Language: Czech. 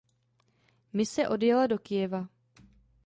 Mise odjela do Kyjeva.